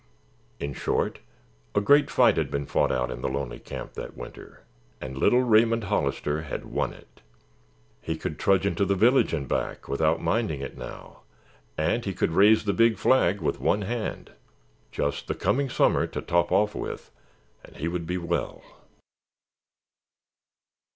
In short, a great fight had been fought out in the lonely camp that winter, and little Raymond Hollister had won it. He could trudge into the village and back without minding it now and he could raise the big flag with one hand. Just the coming summer to top off with and he would be well.